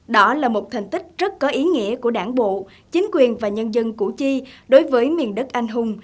đó là một thành tích rất có ý nghĩa của đảng bộ chính quyền và nhân dân củ chi đối với miền đất anh hùng